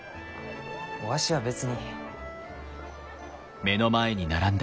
わしは別に。